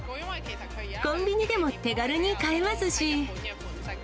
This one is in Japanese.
コンビニでも手軽に買えますし。